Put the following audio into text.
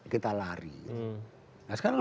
kita lari nah sekarang